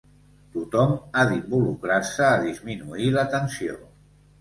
Tothom ha d’involucrar-se a disminuir la tensió.